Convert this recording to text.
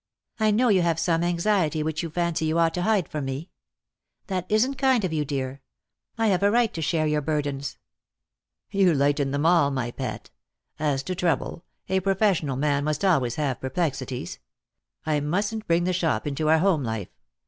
I know you have some anxiety which you fancy you ought to hide from me. That isn't kind of you, dear. I have a right to share your burdens." " You lighten them all, my pet. As to trouble, a professional man must always have perplexities. I mustn't bring the shop into our home life.